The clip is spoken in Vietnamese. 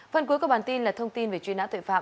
phần cuối của bản tin là thông tin về truy nã tội phạm